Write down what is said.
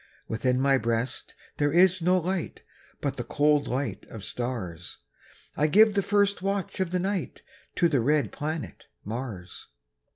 Within my breast there is no light, But the cold light of stars; I give the first watch of the night To the red planet Mars.